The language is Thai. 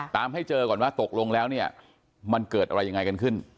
ให้เจอก่อนว่าตกลงแล้วเนี่ยมันเกิดอะไรยังไงกันขึ้น